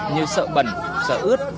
như sợ bẩn sợ ướt